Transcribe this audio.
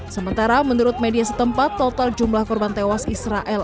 sementara menurut media setempat total jumlah korban tewas israel